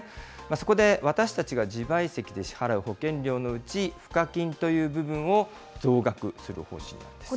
そこで私たちが自賠責で支払う保険料のうち、賦課金という部分を増額する方針なんです。